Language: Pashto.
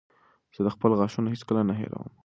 زه خپل غاښونه هېڅکله نه هېروم.